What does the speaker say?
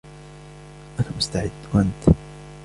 أنا مستعد. وأنت ؟